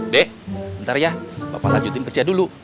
deh ntar ya bapak lanjutin kerja dulu